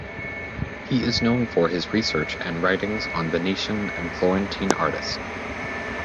He is known for his research and writings on Venetian and Florentine artists.